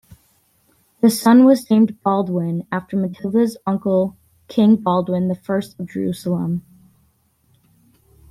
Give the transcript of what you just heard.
The son was named Baldwin, after Matilda's uncle, King Baldwin the First of Jerusalem.